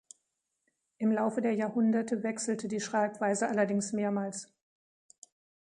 Im Laufe der Jahrhunderte wechselte die Schreibweise allerdings mehrmals.